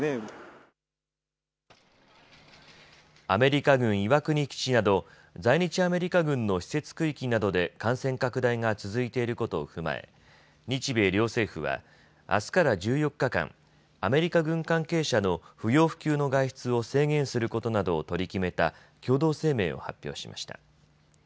アメリカ軍岩国基地など在日アメリカ軍の施設区域などで感染拡大が続いていることを踏まえ日米両政府はあすから１４日間、アメリカ軍関係者の不要不急の外出を制限することなどを取り決めた共同声明を発表しました。